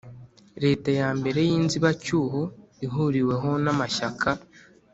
leta ya mbere y'inzibacyuho ihuriweho n'amashyaka